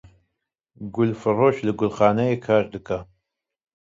Gul firoş li gulxaneyê kar dike